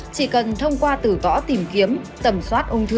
chỉ cần thông qua tử tỏ tìm kiếm tẩm soát ung thư